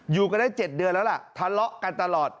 อยู่กันได้๗เดือนแล้วล่ะทะเลาะกันตลอด